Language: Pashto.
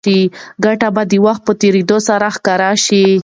ګټه به د وخت په تېرېدو سره ښکاره شي.